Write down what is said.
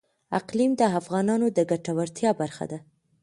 اقلیم د افغانانو د ګټورتیا برخه ده.